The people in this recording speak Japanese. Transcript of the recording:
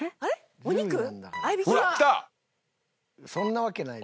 そんなわけない。